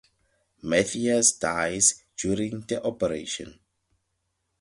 Matthias dies during the operation.